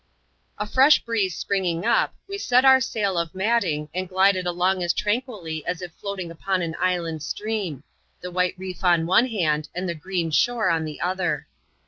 [chap, lxxl A fresh breeze springing up, we set our sail of matting, and glided along as tranquilly as if floating upon an inland stream; the white reef on one hand, and the green shore on the other.